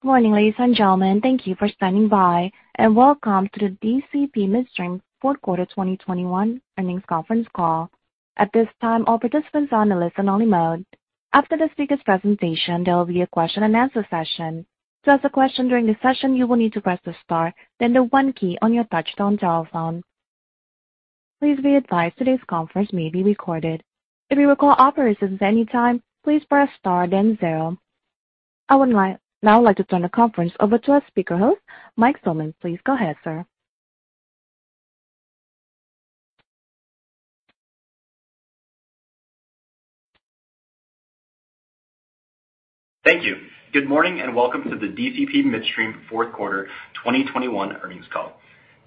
Good morning, ladies and gentlemen. Thank you for standing by, and welcome to the DCP Midstream fourth quarter 2021 earnings conference call. At this time, all participants are in a listen-only mode. After the speaker's presentation, there will be a question-and-answer session. To ask a question during the session, you will need to press star, then the one key on your touchtone telephone. Please be advised, today's conference may be recorded. If you require operator assistance at any time, please press star then zero. I'd like to turn the conference over to our speaker host, Mike Fullman. Please go ahead, sir. Thank you. Good morning and welcome to the DCP Midstream fourth quarter 2021 earnings call.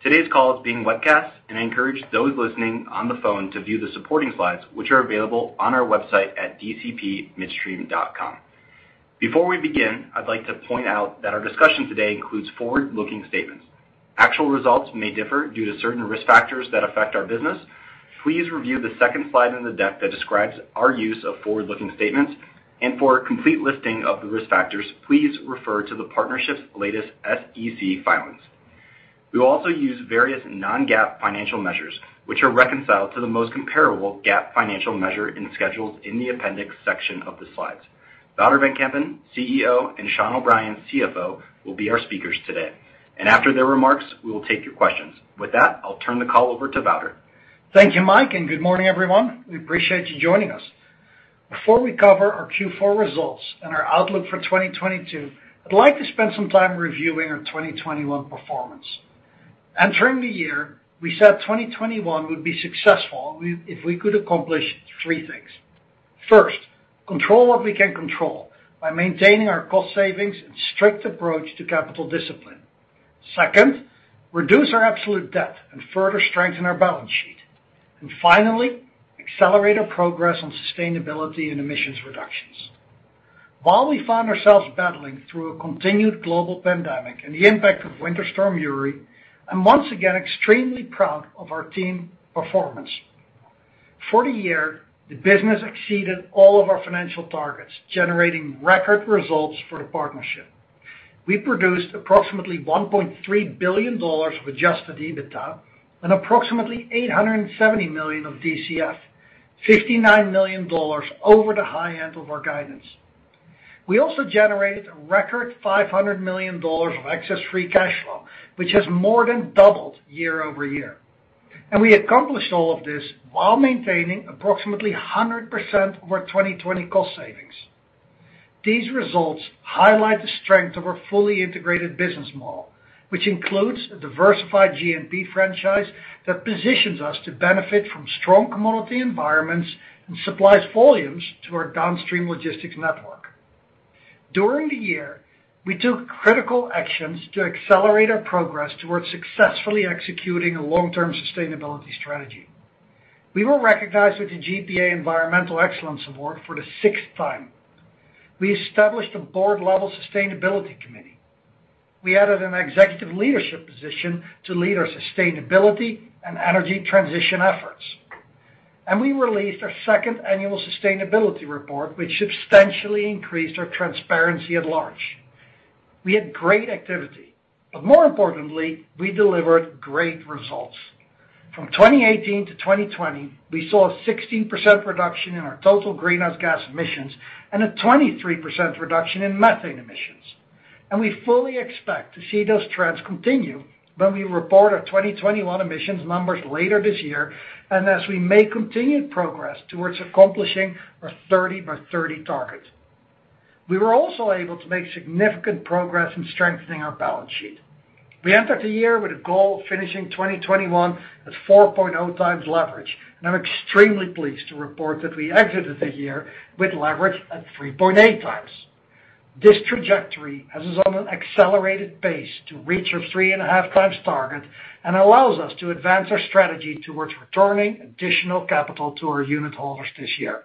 Today's call is being webcast, and I encourage those listening on the phone to view the supporting slides, which are available on our website at dcpmidstream.com. Before we begin, I'd like to point out that our discussion today includes forward-looking statements. Actual results may differ due to certain risk factors that affect our business. Please review the second slide in the deck that describes our use of forward-looking statements. For a complete listing of the risk factors, please refer to the partnership's latest SEC filings. We will also use various non-GAAP financial measures, which are reconciled to the most comparable GAAP financial measure in schedules in the appendix section of the slides. Wouter van Kempen, CEO, and Sean O'Brien, CFO, will be our speakers today. After their remarks, we will take your questions. With that, I'll turn the call over to Wouter. Thank you, Mike, and good morning, everyone. We appreciate you joining us. Before we cover our Q4 results and our outlook for 2022, I'd like to spend some time reviewing our 2021 performance. Entering the year, we said 2021 would be successful if we could accomplish three things. First, control what we can control by maintaining our cost savings and strict approach to capital discipline. Second, reduce our absolute debt and further strengthen our balance sheet. Finally, accelerate our progress on sustainability and emissions reductions. While we found ourselves battling through a continued global pandemic and the impact of Winter Storm Uri, I'm once again extremely proud of our team performance. For the year, the business exceeded all of our financial targets, generating record results for the partnership. We produced approximately $1.3 billion of adjusted EBITDA and approximately $870 million of DCF, $59 million over the high end of our guidance. We also generated a record $500 million of excess free cash flow, which has more than doubled year-over-year. We accomplished all of this while maintaining approximately 100% over 2020 cost savings. These results highlight the strength of our fully integrated business model, which includes a diversified G&P franchise that positions us to benefit from strong commodity environments and supplies volumes to our downstream logistics network. During the year, we took critical actions to accelerate our progress towards successfully executing a long-term sustainability strategy. We were recognized with the GPA Midstream Environmental Excellence Award for the sixth time. We established a board-level sustainability committee. We added an executive leadership position to lead our sustainability and energy transition efforts. We released our second annual sustainability report, which substantially increased our transparency at large. We had great activity, but more importantly, we delivered great results. From 2018-2020, we saw a 16% reduction in our total greenhouse gas emissions and a 23% reduction in methane emissions. We fully expect to see those trends continue when we report our 2021 emissions numbers later this year and as we make continued progress towards accomplishing our 30 by 30 target. We were also able to make significant progress in strengthening our balance sheet. We entered the year with a goal of finishing 2021 at 4.0 times leverage, and I'm extremely pleased to report that we exited the year with leverage at 3.8x. This trajectory has us on an accelerated pace to reach our 3.5x target and allows us to advance our strategy towards returning additional capital to our unit holders this year.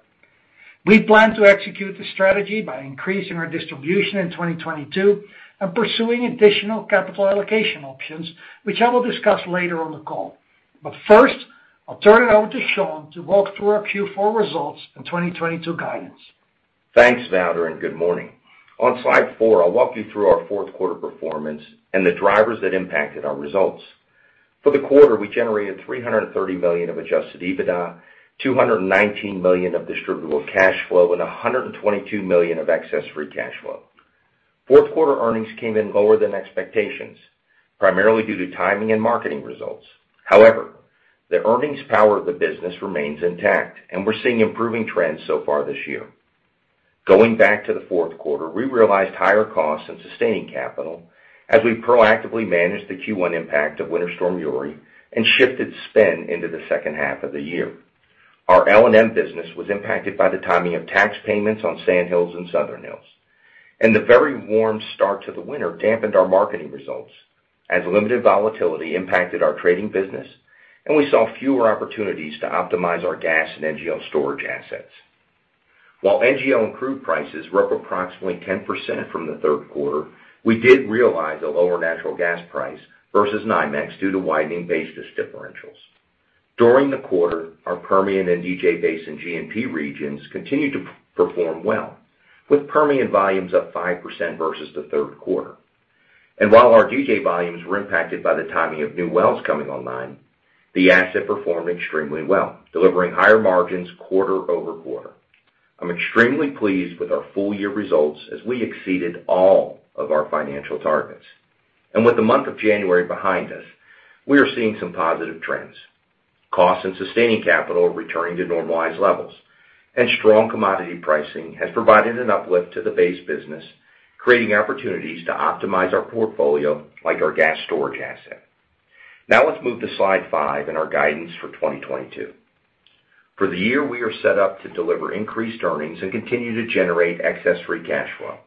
We plan to execute the strategy by increasing our distribution in 2022 and pursuing additional capital allocation options, which I will discuss later on the call. First, I'll turn it over to Sean to walk through our Q4 results and 2022 guidance. Thanks, Wouter, and good morning. On slide four, I'll walk you through our fourth quarter performance and the drivers that impacted our results. For the quarter, we generated $330 million of adjusted EBITDA, $219 million of distributable cash flow, and $122 million of excess free cash flow. Fourth quarter earnings came in lower than expectations, primarily due to timing and marketing results. However, the earnings power of the business remains intact, and we're seeing improving trends so far this year. Going back to the fourth quarter, we realized higher costs in sustaining capital as we proactively managed the Q1 impact of Winter Storm Uri and shifted spend into the second half of the year. Our L&M business was impacted by the timing of tax payments on Sand Hills and Southern Hills. The very warm start to the winter dampened our marketing results as limited volatility impacted our trading business, and we saw fewer opportunities to optimize our gas and NGL storage assets. While NGL and crude prices were up approximately 10% from the third quarter, we did realize a lower natural gas price versus NYMEX due to widening basis differentials. During the quarter, our Permian and DJ Basin G&P regions continued to perform well, with Permian volumes up 5% versus the third quarter. While our DJ volumes were impacted by the timing of new wells coming online, the asset performed extremely well, delivering higher margins quarter-over-quarter. I'm extremely pleased with our full year results as we exceeded all of our financial targets. With the month of January behind us, we are seeing some positive trends. Costs and sustaining capital are returning to normalized levels, and strong commodity pricing has provided an uplift to the base business, creating opportunities to optimize our portfolio like our gas storage asset. Now let's move to slide five and our guidance for 2022. For the year, we are set up to deliver increased earnings and continue to generate excess free cash flow.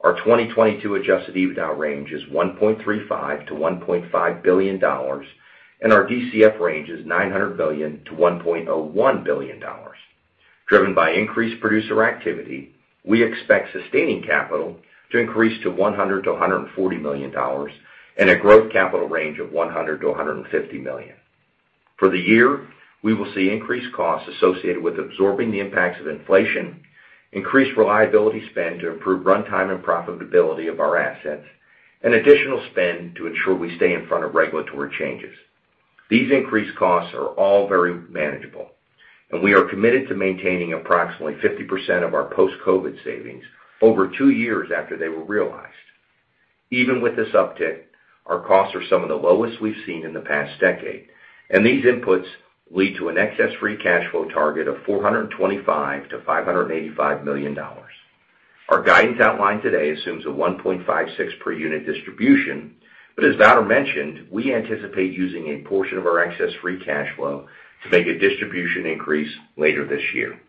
Our 2022 adjusted EBITDA range is $1.35 billion-$1.5 billion, and our DCF range is $900 million-$1.01 billion. Driven by increased producer activity, we expect sustaining capital to increase to $100 million-$140 million and a growth capital range of $100 million-$150 million. For the year, we will see increased costs associated with absorbing the impacts of inflation, increased reliability spend to improve runtime and profitability of our assets, and additional spend to ensure we stay in front of regulatory changes. These increased costs are all very manageable, and we are committed to maintaining approximately 50% of our post-COVID savings over two years after they were realized. Even with this uptick, our costs are some of the lowest we've seen in the past decade, and these inputs lead to an excess free cash flow target of $425 million-$585 million. Our guidance outlined today assumes a 1.56 per unit distribution, but as Wouter mentioned, we anticipate using a portion of our excess free cash flow to make a distribution increase later this year.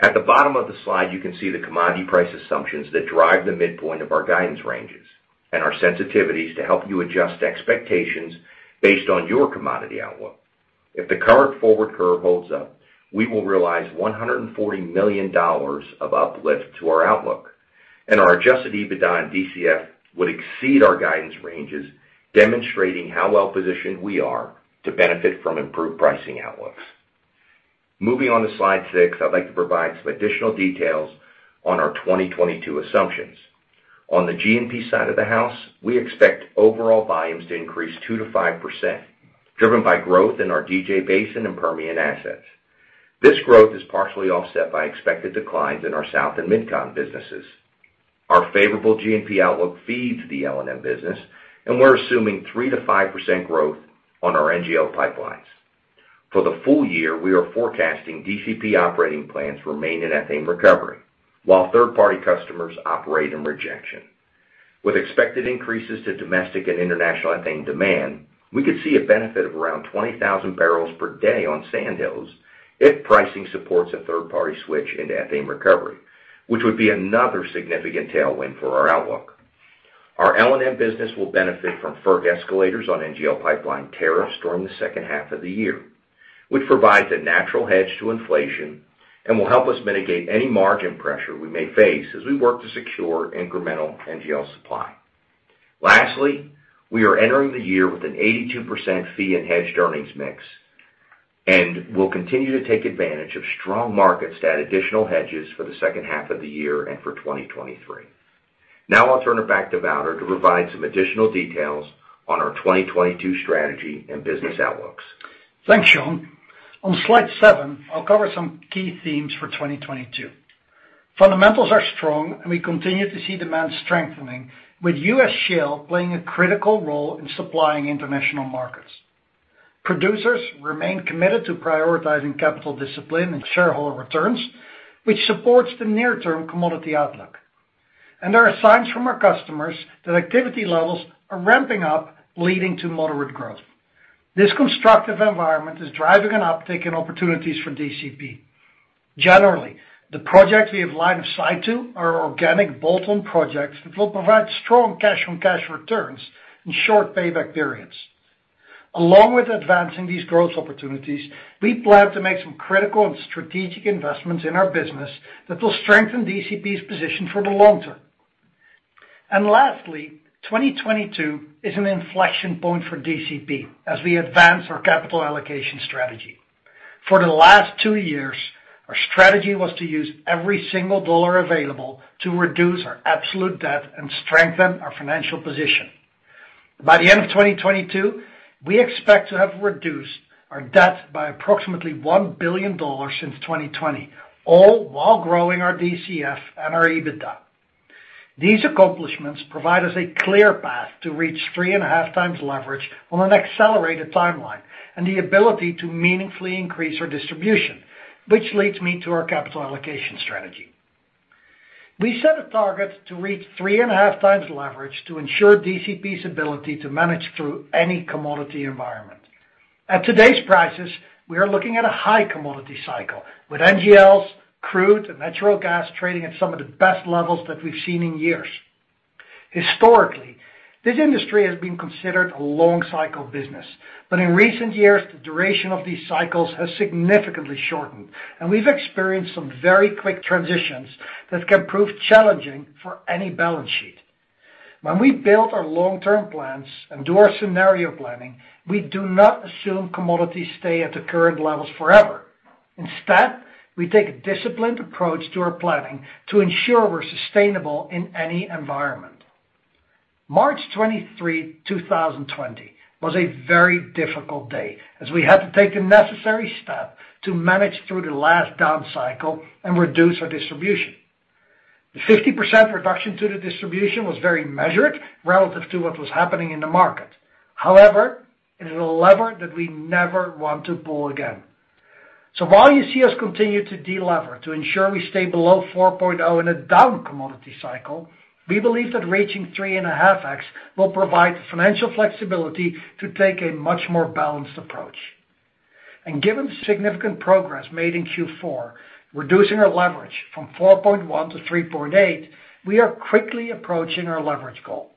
At the bottom of the slide, you can see the commodity price assumptions that drive the midpoint of our guidance ranges and our sensitivities to help you adjust expectations based on your commodity outlook. If the current forward curve holds up, we will realize $140 million of uplift to our outlook, and our adjusted EBITDA and DCF would exceed our guidance ranges, demonstrating how well-positioned we are to benefit from improved pricing outlooks. Moving on to slide six, I'd like to provide some additional details on our 2022 assumptions. On the G&P side of the house, we expect overall volumes to increase 2%-5%, driven by growth in our DJ Basin and Permian assets. This growth is partially offset by expected declines in our South and Mid-Con businesses. Our favorable G&P outlook feeds the L&M business, and we're assuming 3%-5% growth on our NGL pipelines. For the full year, we are forecasting DCP operating plans remain in ethane recovery, while third-party customers operate in rejection. With expected increases to domestic and international ethane demand, we could see a benefit of around 20,000 barrels per day on Sand Hills if pricing supports a third-party switch into ethane recovery, which would be another significant tailwind for our outlook. Our L&M business will benefit from FERC escalators on NGL pipeline tariffs during the second half of the year, which provides a natural hedge to inflation and will help us mitigate any margin pressure we may face as we work to secure incremental NGL supply. Lastly, we are entering the year with an 82% fee and hedged earnings mix, and we'll continue to take advantage of strong markets to add additional hedges for the second half of the year and for 2023. Now I'll turn it back to Wouter to provide some additional details on our 2022 strategy and business outlooks. Thanks, Sean. On slide seven, I'll cover some key themes for 2022. Fundamentals are strong, and we continue to see demand strengthening, with U.S. shale playing a critical role in supplying international markets. Producers remain committed to prioritizing capital discipline and shareholder returns, which supports the near-term commodity outlook. There are signs from our customers that activity levels are ramping up, leading to moderate growth. This constructive environment is driving an uptick in opportunities for DCP. Generally, the projects we have line of sight to are organic bolt-on projects, which will provide strong cash-on-cash returns and short payback periods. Along with advancing these growth opportunities, we plan to make some critical and strategic investments in our business that will strengthen DCP's position for the long term. Lastly, 2022 is an inflection point for DCP as we advance our capital allocation strategy. For the last two years, our strategy was to use every single dollar available to reduce our absolute debt and strengthen our financial position. By the end of 2022, we expect to have reduced our debt by approximately $1 billion since 2020, all while growing our DCF and our EBITDA. These accomplishments provide us a clear path to reach 3.5x leverage on an accelerated timeline and the ability to meaningfully increase our distribution, which leads me to our capital allocation strategy. We set a target to reach 3.5x leverage to ensure DCP's ability to manage through any commodity environment. At today's prices, we are looking at a high commodity cycle with NGLs, crude, and natural gas trading at some of the best levels that we've seen in years. Historically, this industry has been considered a long cycle business, but in recent years, the duration of these cycles has significantly shortened, and we've experienced some very quick transitions that can prove challenging for any balance sheet. When we build our long-term plans and do our scenario planning, we do not assume commodities stay at the current levels forever. Instead, we take a disciplined approach to our planning to ensure we're sustainable in any environment. March 23, 2020 was a very difficult day, as we had to take a necessary step to manage through the last down cycle and reduce our distribution. The 50% reduction to the distribution was very measured relative to what was happening in the market. However, it is a lever that we never want to pull again. While you see us continue to delever to ensure we stay below 4.0 in a down commodity cycle, we believe that reaching 3.5x will provide the financial flexibility to take a much more balanced approach. Given the significant progress made in Q4, reducing our leverage from 4.1 to 3.8, we are quickly approaching our leverage goal.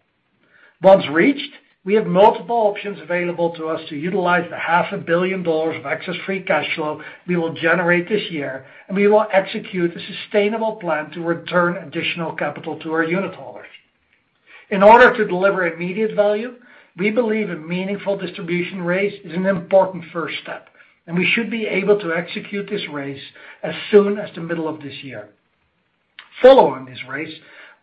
Once reached, we have multiple options available to us to utilize the $500 million of excess free cash flow we will generate this year, and we will execute a sustainable plan to return additional capital to our unitholders. In order to deliver immediate value, we believe a meaningful distribution raise is an important first step, and we should be able to execute this raise as soon as the middle of this year. Following this raise,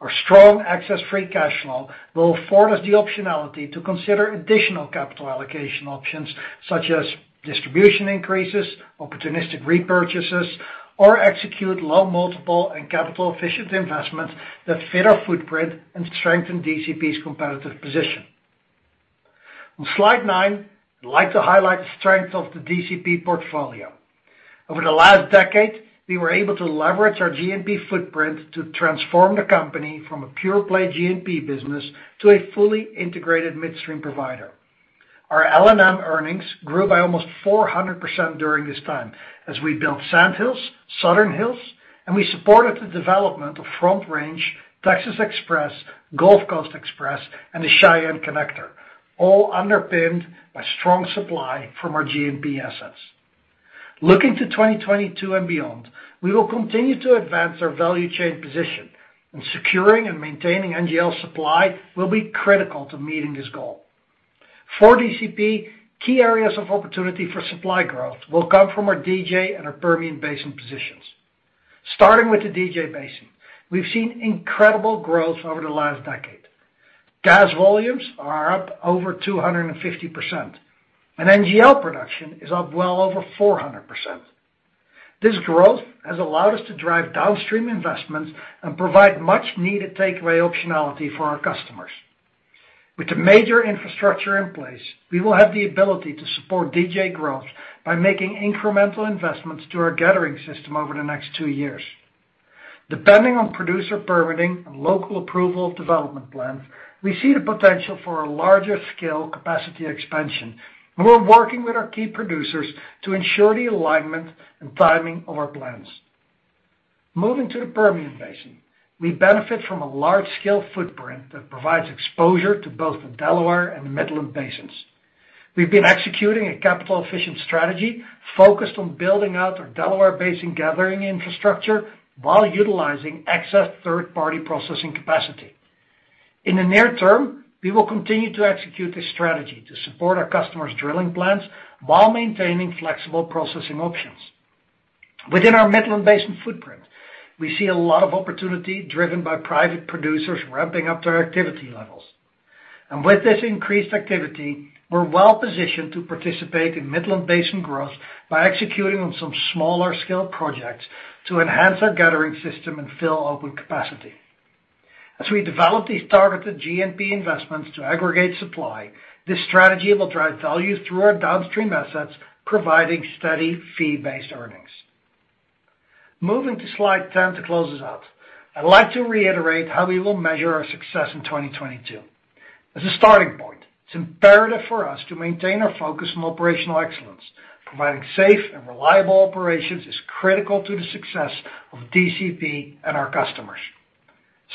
our strong excess free cash flow will afford us the optionality to consider additional capital allocation options such as distribution increases, opportunistic repurchases, or execute low multiple and capital efficient investments that fit our footprint and strengthen DCP's competitive position. On slide nine, I'd like to highlight the strength of the DCP portfolio. Over the last decade, we were able to leverage our G&P footprint to transform the company from a pure play G&P business to a fully integrated midstream provider. Our L&M earnings grew by almost 400% during this time as we built Sand Hills, Southern Hills, and we supported the development of Front Range, Texas Express, Gulf Coast Express, and the Cheyenne Connector, all underpinned by strong supply from our G&P assets. Looking to 2022 and beyond, we will continue to advance our value chain position, and securing and maintaining NGL supply will be critical to meeting this goal. For DCP, key areas of opportunity for supply growth will come from our DJ and our Permian Basin positions. Starting with the DJ Basin, we've seen incredible growth over the last decade. Gas volumes are up over 250%, and NGL production is up well over 400%. This growth has allowed us to drive downstream investments and provide much-needed takeaway optionality for our customers. With the major infrastructure in place, we will have the ability to support DJ growth by making incremental investments to our gathering system over the next two years. Depending on producer permitting and local approval of development plans, we see the potential for a larger scale capacity expansion, and we're working with our key producers to ensure the alignment and timing of our plans. Moving to the Permian Basin, we benefit from a large-scale footprint that provides exposure to both the Delaware and the Midland basins. We've been executing a capital-efficient strategy focused on building out our Delaware Basin gathering infrastructure while utilizing excess third-party processing capacity. In the near term, we will continue to execute this strategy to support our customers' drilling plans while maintaining flexible processing options. Within our Midland Basin footprint, we see a lot of opportunity driven by private producers ramping up their activity levels. With this increased activity, we're well-positioned to participate in Midland Basin growth by executing on some smaller scale projects to enhance our gathering system and fill open capacity. As we develop these targeted G&P investments to aggregate supply, this strategy will drive value through our downstream assets, providing steady fee-based earnings. Moving to slide 10 to close this out, I'd like to reiterate how we will measure our success in 2022. As a starting point, it's imperative for us to maintain our focus on operational excellence. Providing safe and reliable operations is critical to the success of DCP and our customers.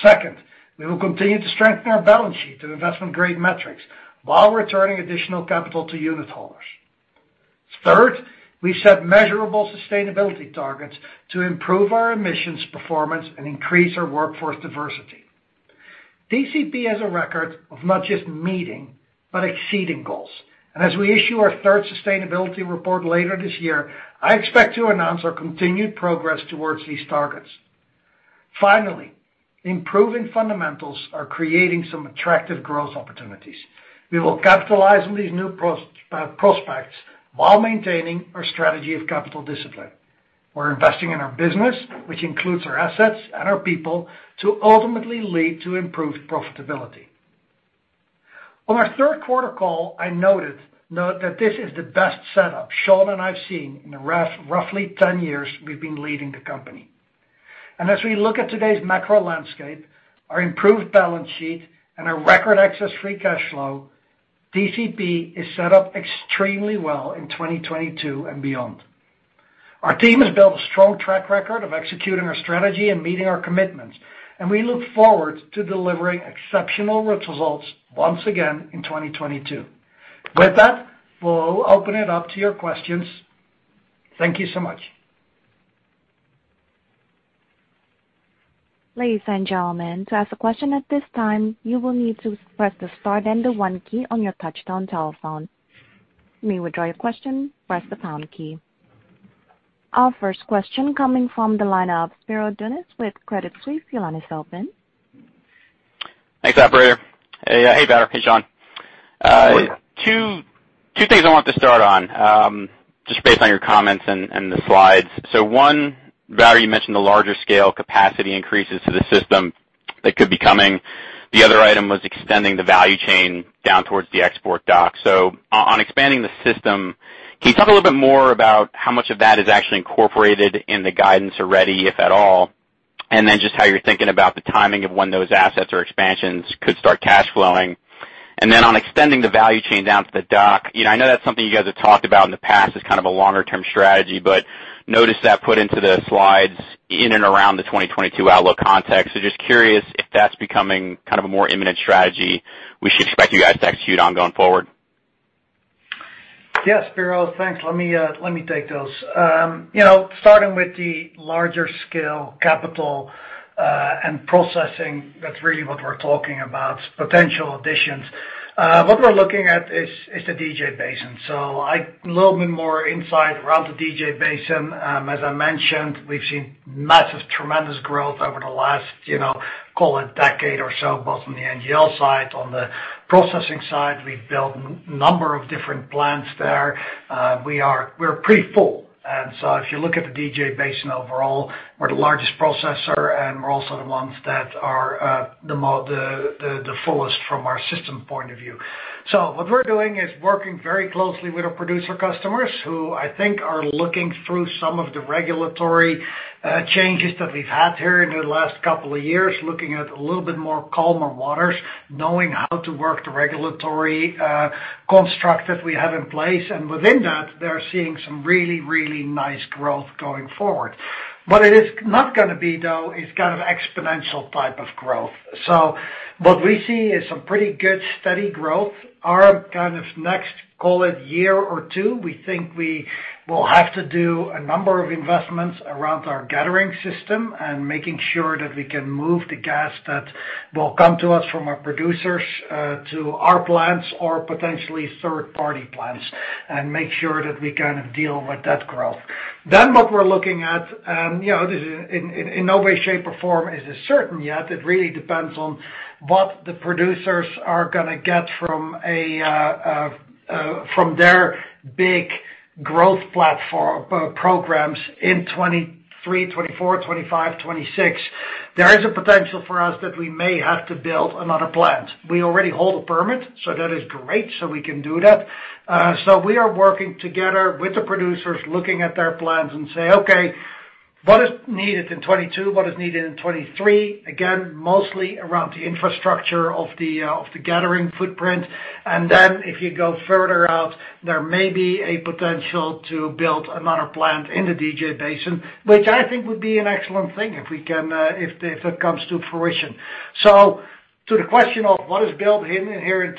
Second, we will continue to strengthen our balance sheet to investment-grade metrics while returning additional capital to unitholders. Third, we set measurable sustainability targets to improve our emissions performance and increase our workforce diversity. DCP has a record of not just meeting but exceeding goals. As we issue our third sustainability report later this year, I expect to announce our continued progress towards these targets. Finally, improving fundamentals are creating some attractive growth opportunities. We will capitalize on these new prospects while maintaining our strategy of capital discipline. We're investing in our business, which includes our assets and our people, to ultimately lead to improved profitability. On our third quarter call, I note that this is the best setup Sean, and I've seen in roughly 10 years we've been leading the company. As we look at today's macro landscape, our improved balance sheet, and our record excess free cash flow, DCP is set up extremely well in 2022 and beyond. Our team has built a strong track record of executing our strategy and meeting our commitments, and we look forward to delivering exceptional results once again in 2022. With that, we'll open it up to your questions. Thank you so much. Ladies and gentlemen, to ask a question at this time, you will need to press the star then the 1 key on your touchtone telephone. To withdraw your question, press the pound key. Our first question coming from the line of Spiro Dounis with Credit Suisse. Your line is open. Thanks, operator. Hey, Wouter, hey, Sean. Hello. Two things I wanted to start on, just based on your comments and the slides. One, Wouter, you mentioned the larger scale capacity increases to the system that could be coming. The other item was extending the value chain down towards the export dock. On expanding the system, can you talk a little bit more about how much of that is actually incorporated in the guidance already, if at all? And then just how you're thinking about the timing of when those assets or expansions could start cash flowing. And then on extending the value chain down to the dock, you know, I know that's something you guys have talked about in the past as kind of a longer term strategy, but I noticed that put into the slides in and around the 2022 outlook context. Just curious if that's becoming kind of a more imminent strategy we should expect you guys to execute on going forward. Yes, Spiro. Thanks. Let me take those. You know, starting with the larger scale capital and processing, that's really what we're talking about, potential additions. What we're looking at is the DJ Basin. So a little bit more insight around the DJ Basin. As I mentioned, we've seen massive, tremendous growth over the last, you know, call it decade or so, both on the NGL side, on the processing side. We've built n-number of different plants there. We're pretty full. If you look at the DJ Basin overall, we're the largest processor, and we're also the ones that are the fullest from our system point of view. What we're doing is working very closely with our producer customers who I think are looking through some of the regulatory changes that we've had here in the last couple of years, looking at a little bit more calmer waters, knowing how to work the regulatory construct that we have in place. Within that, they're seeing some really, really nice growth going forward. It is not gonna be, though, it's kind of exponential type of growth. What we see is some pretty good steady growth. Our kind of next, call it a year or two, we think we will have to do a number of investments around our gathering system and making sure that we can move the gas that will come to us from our producers to our plants or potentially third-party plants and make sure that we kind of deal with that growth. What we're looking at, you know, this is in no way, shape, or form isn't as certain yet. It really depends on what the producers are gonna get from their big growth programs in 2023, 2024, 2025, 2026. There is a potential for us that we may have to build another plant. We already hold a permit, so that is great, so we can do that. We are working together with the producers, looking at their plans and say, "Okay, what is needed in 2022? What is needed in 2023?" Again, mostly around the infrastructure of the gathering footprint. If you go further out, there may be a potential to build another plant in the DJ Basin, which I think would be an excellent thing if we can, if it comes to fruition. To the question of what is built in here in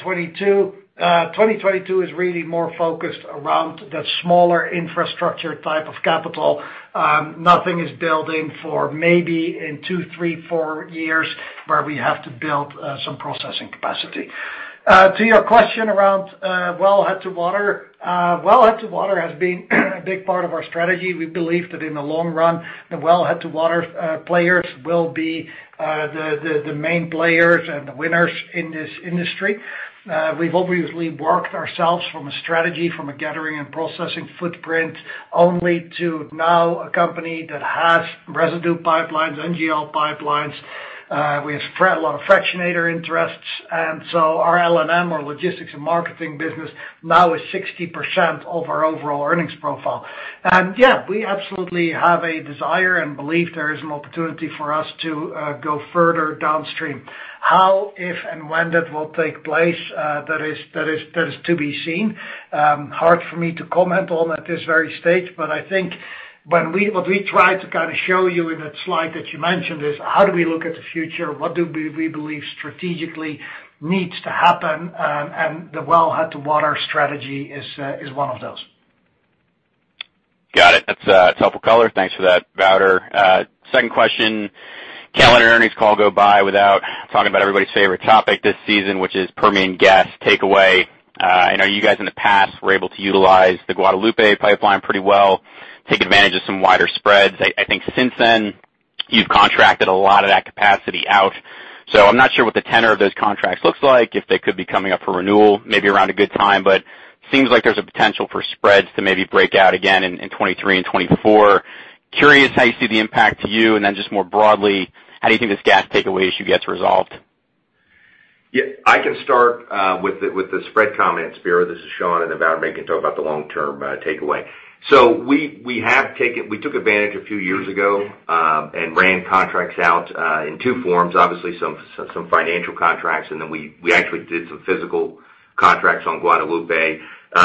2022 is really more focused around the smaller infrastructure type of capital. Nothing is building for maybe in two, three, four years where we have to build some processing capacity. To your question around wellhead to market, wellhead to market has been a big part of our strategy. We believe that in the long run, the wellhead to water players will be the main players and the winners in this industry. We've obviously worked ourselves from a strategy from a gathering and processing footprint only to now a company that has residue pipelines, NGL pipelines. We have a lot of fractionator interests, and so our L&M, our logistics and marketing business now is 60% of our overall earnings profile. Yeah, we absolutely have a desire and believe there is an opportunity for us to go further downstream. How, if, and when that will take place, that is to be seen. Hard for me to comment on at this very stage. I think what we try to kind of show you in that slide that you mentioned is how do we look at the future? What do we believe strategically needs to happen? The wellhead to water strategy is one of those. Got it. That's helpful color. Thanks for that, Wouter. Second question. Calendar earnings call go by without talking about everybody's favorite topic this season, which is Permian gas takeaway. I know you guys in the past were able to utilize the Guadalupe pipeline pretty well, take advantage of some wider spreads. I think since then, you've contracted a lot of that capacity out. I'm not sure what the tenor of those contracts looks like, if they could be coming up for renewal, maybe around a good time. Seems like there's a potential for spreads to maybe break out again in 2023 and 2024. Curious how you see the impact to you, and then just more broadly, how do you think this gas takeaway issue gets resolved? Yeah, I can start with the spread comments, Spiro. This is Sean, and Wouter may can talk about the long-term takeaway. We took advantage a few years ago and ran contracts out in two forms. Obviously some financial contracts, and then we actually did some physical contracts on Guadalupe.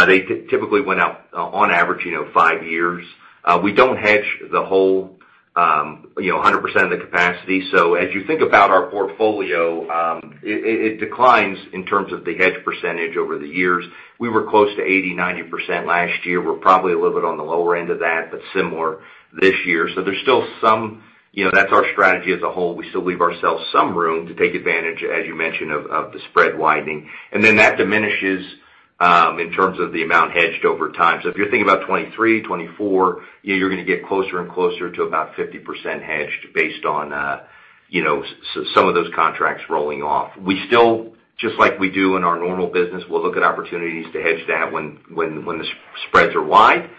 They typically went out on average, you know, five years. We don't hedge the whole- You know, 100% of the capacity. As you think about our portfolio, it declines in terms of the hedge percentage over the years. We were close to 80%-90% last year. We're probably a little bit on the lower end of that, but similar this year. There's still some. You know, that's our strategy as a whole. We still leave ourselves some room to take advantage, as you mentioned, of the spread widening. Then that diminishes in terms of the amount hedged over time. If you're thinking about 2023-2024, you know, you're gonna get closer and closer to about 50% hedged based on, you know, some of those contracts rolling off. We still, just like we do in our normal business, we'll look at opportunities to hedge that when the frac spreads are wide.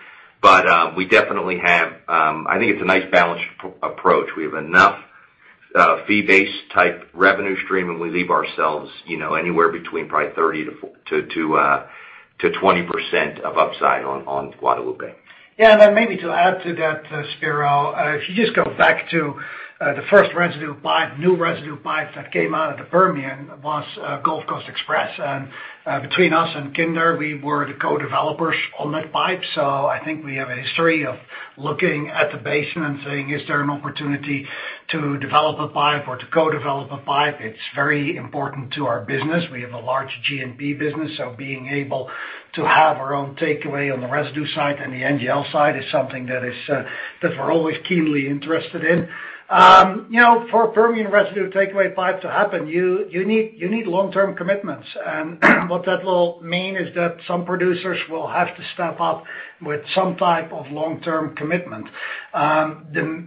We definitely have, I think, a nice balanced approach. We have enough fee-based type revenue stream, and we leave ourselves, you know, anywhere between probably 20%-30% of upside on Guadalupe. Yeah. Then maybe to add to that, Spiro, if you just go back to the first residue pipe, new residue pipe that came out of the Permian was Gulf Coast Express. Between us and Kinder, we were the co-developers on that pipe. I think we have a history of looking at the basin and saying, "Is there an opportunity to develop a pipe or to co-develop a pipe?" It's very important to our business. We have a large G&P business, so being able to have our own takeaway on the residue side and the NGL side is something that we're always keenly interested in. You know, for a Permian residue takeaway pipe to happen, you need long-term commitments. What that will mean is that some producers will have to step up with some type of long-term commitment. The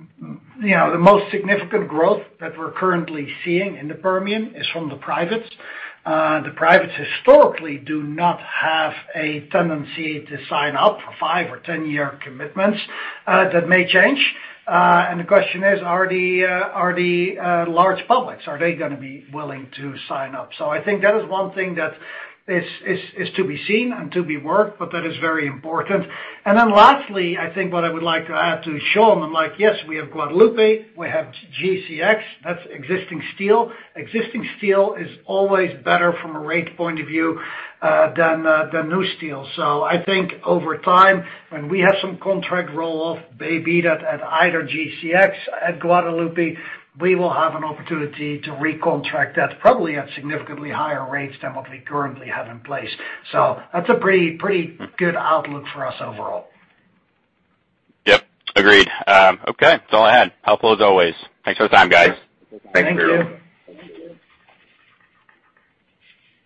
most significant growth that we're currently seeing in the Permian is from the privates. The privates historically do not have a tendency to sign up for five or 10-year commitments. That may change. The question is, are the large publics gonna be willing to sign up? I think that is one thing that is to be seen and to be worked, but that is very important. Lastly, I think what I would like to add to Sean, I'm like, "Yes, we have Guadalupe, we have GCX, that's existing steel." Existing steel is always better from a rate point of view than new steel. I think over time, when we have some contract roll off, maybe that at either GCX, at Guadalupe, we will have an opportunity to recontract that probably at significantly higher rates than what we currently have in place. That's a pretty good outlook for us overall. Yep. Agreed. Okay. That's all I had. Helpful as always. Thanks for the time, guys. Thanks, Spiro. Thank you.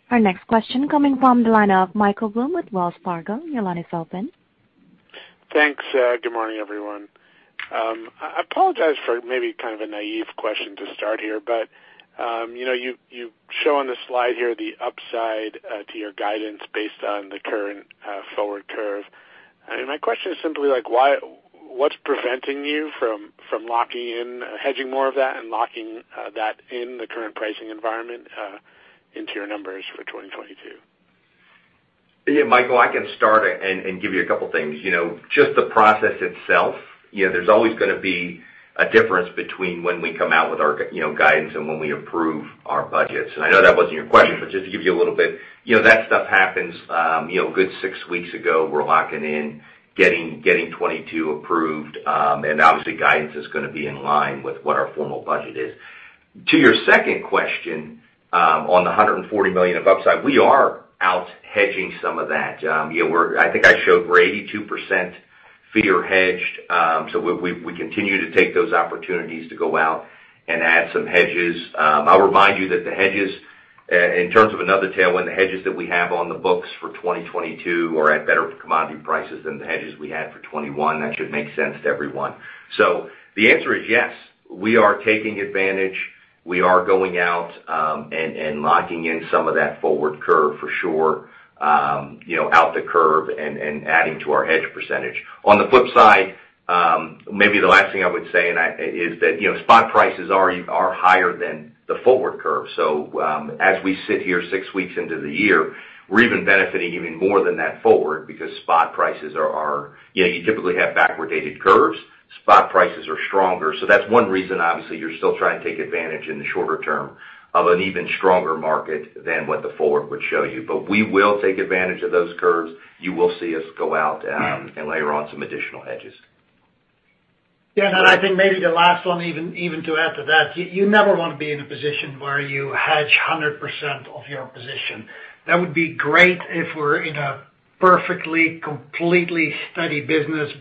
Our next question coming from the line of Michael Blum with Wells Fargo. Your line is open. Thanks. Good morning, everyone. I apologize for maybe kind of a naive question to start here, but you know, you show on the slide here the upside to your guidance based on the current forward curve. My question is simply like what's preventing you from locking in, hedging more of that and locking that in the current pricing environment into your numbers for 2022? Yeah, Michael, I can start and give you a couple things. You know, just the process itself, you know, there's always gonna be a difference between when we come out with our guidance and when we approve our budgets. I know that wasn't your question, but just to give you a little bit, you know, that stuff happens a good six weeks ago. We're locking in, getting 2022 approved, and obviously, guidance is gonna be in line with what our formal budget is. To your second question, on the $140 million of upside, we are out hedging some of that. You know, I think I showed we're 82% hedged. We continue to take those opportunities to go out and add some hedges. I'll remind you that the hedges, in terms of another tailwind, the hedges that we have on the books for 2022 are at better commodity prices than the hedges we had for 2021. That should make sense to everyone. The answer is yes, we are taking advantage. We are going out, and locking in some of that forward curve for sure, you know, out the curve and adding to our hedge percentage. On the flip side, maybe the last thing I would say is that, you know, spot prices are higher than the forward curve. As we sit here six weeks into the year, we're benefiting even more than that forward because spot prices are stronger. You know, you typically have backwardated curves. Spot prices are stronger. that's one reason, obviously, you're still trying to take advantage in the shorter term of an even stronger market than what the forward would show you. We will take advantage of those curves. You will see us go out, and layer on some additional hedges. Yeah. I think maybe the last one even to add to that, you never wanna be in a position where you hedge 100% of your position. That would be great if we're in a perfectly, completely steady business.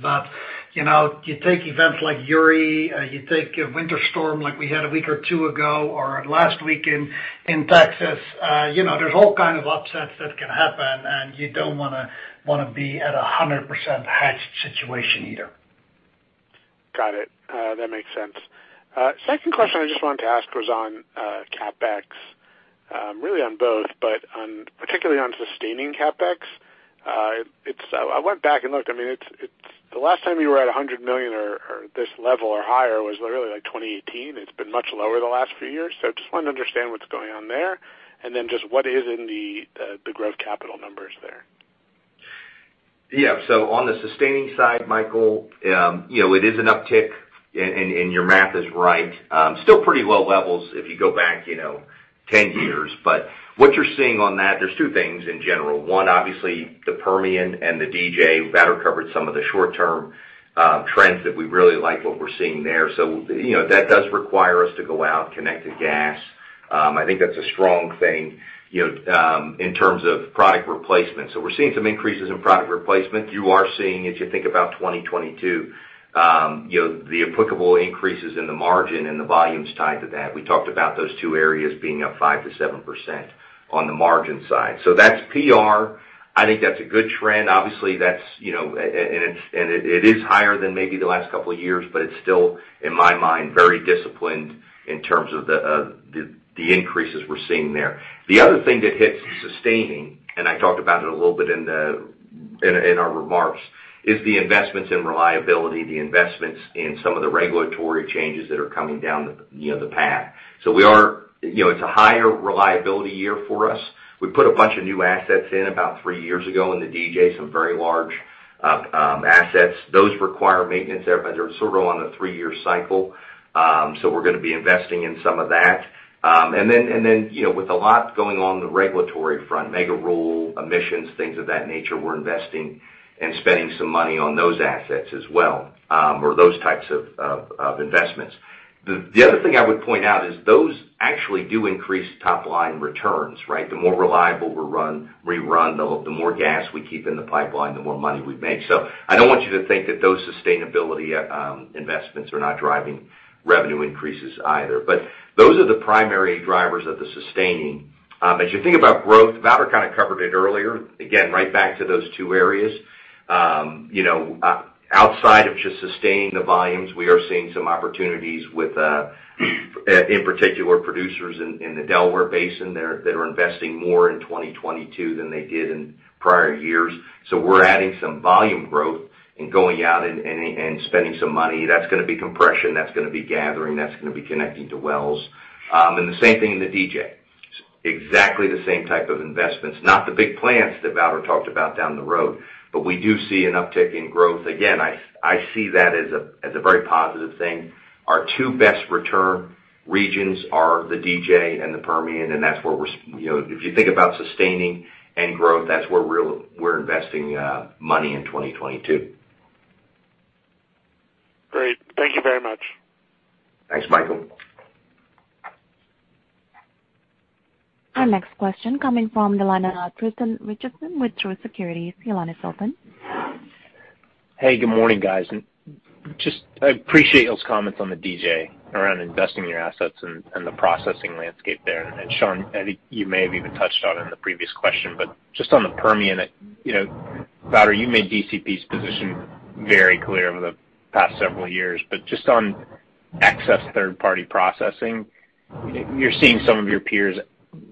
You know, you take events like Uri. You take a winter storm like we had a week or two ago or last week in Texas. You know, there's all kind of upsets that can happen, and you don't wanna be at a 100% hedged situation either. Got it. That makes sense. Second question I just wanted to ask was on CapEx, really on both, but particularly on sustaining CapEx. I went back and looked. I mean, it's the last time you were at $100 million or this level or higher was literally like 2018. It's been much lower the last few years. Just wanted to understand what's going on there, and then just what is in the growth capital numbers there. Yeah. On the sustaining side, Michael, you know, it is an uptick and your math is right. Still pretty low levels if you go back, you know, 10 years. What you're seeing on that, there's two things in general. One, obviously, the Permian and the DJ. Wouter covered some of the short-term trends that we really like what we're seeing there. You know, that does require us to go out, connect to gas. I think that's a strong thing, you know, in terms of product replacement. We're seeing some increases in product replacement. You are seeing, as you think about 2022, you know, the applicable increases in the margin and the volumes tied to that. We talked about those two areas being up 5%-7% on the margin side. That's PR. I think that's a good trend. Obviously, that's, you know, and it is higher than maybe the last couple of years, but it's still, in my mind, very disciplined in terms of the increases we're seeing there. The other thing that hits sustaining, and I talked about it a little bit in our remarks, is the investments in reliability, the investments in some of the regulatory changes that are coming down, you know, the path. It's a higher reliability year for us. We put a bunch of new assets in about three years ago in the DJ, some very large assets. Those require maintenance. They're sort of on a three-year cycle. We're gonna be investing in some of that. You know, with a lot going on in the regulatory front, Mega Rule, emissions, things of that nature, we're investing and spending some money on those assets as well, or those types of investments. The other thing I would point out is those actually do increase top-line returns, right? The more reliable we run, the more gas we keep in the pipeline, the more money we make. I don't want you to think that those sustainability investments are not driving revenue increases either. Those are the primary drivers of the sustaining. As you think about growth, Wouter kind of covered it earlier. Again, right back to those two areas. You know, outside of just sustaining the volumes, we are seeing some opportunities with, in particular, producers in the Delaware Basin that are investing more in 2022 than they did in prior years. We're adding some volume growth and going out and spending some money. That's gonna be compression, that's gonna be gathering, that's gonna be connecting to wells. The same thing in the DJ. Exactly the same type of investments. Not the big plants that Wouter talked about down the road, but we do see an uptick in growth. Again, I see that as a very positive thing. Our two best return regions are the DJ and the Permian, and that's where we're, you know. If you think about sustaining and growth, that's where we're investing money in 2022. Great. Thank you very much. Thanks, Michael. Our next question coming from the line of Tristan Richardson with Truist Securities. Your line is open. Hey, good morning, guys. Just I appreciate y'all's comments on the DJ around investing in your assets and the processing landscape there. Sean, I think you may have even touched on it in the previous question, but just on the Permian, you know, Wouter, you made DCP's position very clear over the past several years. Just on excess third-party processing, you're seeing some of your peers,